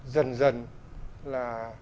dần dần là